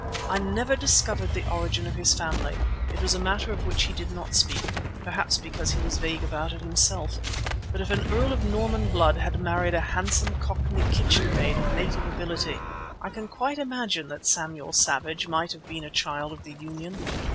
I never discovered the origin of his family; it was a matter of which he did not speak, perhaps because he was vague about it himself; but if an earl of Norman blood had married a handsome Cockney kitchenmaid of native ability, I can quite imagine that Samuel Savage might have been a child of the union.